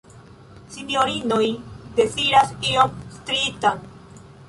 Sinjorinoj deziras ion striitan!